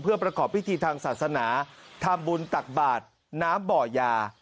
เพื่อประกอบพิธีทางศาสนาทำบุญตักบาทน้ำบ่อยา